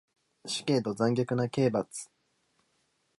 死刑と残虐な刑罰